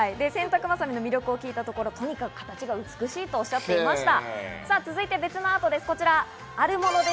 洗濯バサミの魅力を聞いたところ、とにかく形が美しいとおっしゃっていました。